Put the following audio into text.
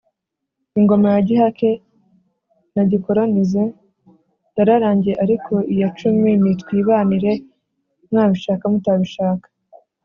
ingoma ya gihake na gikolonize yaragigiye ariko iya cyami ni twibanire mwabishaka mutabishaka.